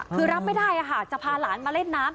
คือรับไม่ได้จะพาหลานมาเล่นน้ำ